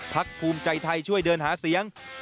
พลักษณ์ภูมิใจไทยช่วยเดินหาเสียง